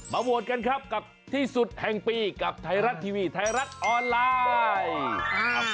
โหวตกันครับกับที่สุดแห่งปีกับไทยรัฐทีวีไทยรัฐออนไลน์